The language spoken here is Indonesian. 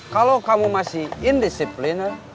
kalau kamu masih indisipliner